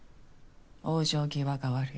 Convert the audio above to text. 往生際が悪い。